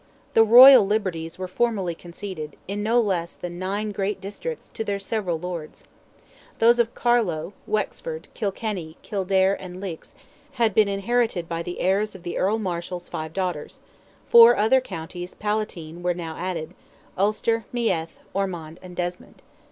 The "royal liberties" were formally conceded, in no less than nine great districts, to their several lords. Those of Carlow, Wexford, Kilkenny, Kildare, and Leix, had been inherited by the heirs of the Earl Marshal's five daughters; four other counties Palatine were now added—Ulster, Meath, Ormond, and Desmond.